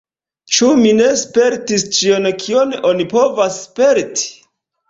Ĉu mi ne spertis ĉion, kion oni povas sperti?